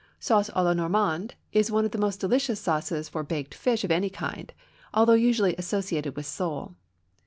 Sauce à la Normande is one of the most delicious sauces for baked fish of any kind, although usually associated with sole.